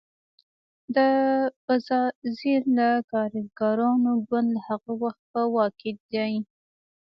د بزازیل د کارګرانو ګوند له هغه وخته په واک کې دی.